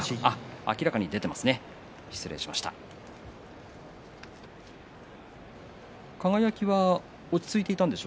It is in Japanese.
明らかに出ていますね失礼しました。